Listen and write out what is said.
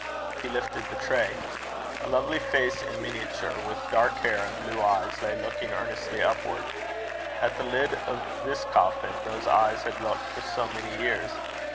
He lifted the tray. A lovely face in miniature, with dark hair and blue eyes, lay looking earnestly upward. At the lid of this coffin those eyes had looked for so many years!